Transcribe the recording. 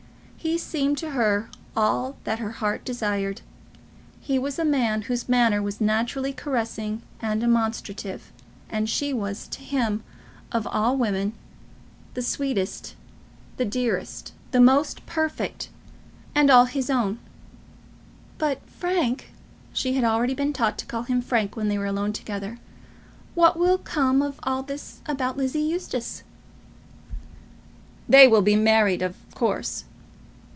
He seemed to her all that her heart desired. He was a man whose manner was naturally caressing and demonstrative, and she was to him, of all women, the sweetest, the dearest, the most perfect, and all his own. "But, Frank," she had already been taught to call him Frank when they were alone together, "what will come of all this about Lizzie Eustace?" "They will be married, of course."